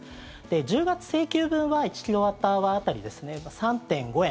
１０月請求分は１キロワットアワー当たり３．５円。